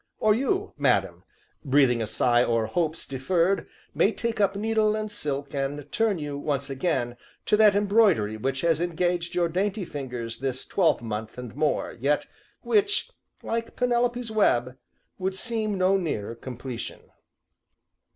Or you, madam, breathing a sigh o'er hopes deferred, may take up needle, and silk, and turn you, once again, to that embroidery which has engaged your dainty fingers this twelvemonth and more, yet which, like Penelope's web, would seem no nearer completion.